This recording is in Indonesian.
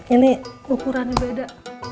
ini ukurannya beda